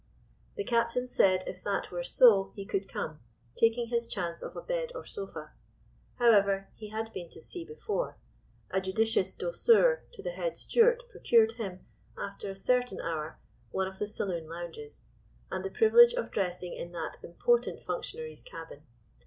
The captain said if that were so he could come, taking his chance of a bed or sofa. However, he had been to sea before. A judicious douceur to the head steward procured him, after a certain hour, one of the saloon lounges, and the privilege of dressing in that important functionary's cabin.